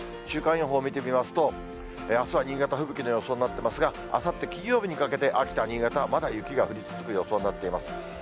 週間予報見てみますと、あすは新潟、吹雪の予想になってますが、あさって金曜日にかけて、秋田、新潟はまだ降り続く予想になっています。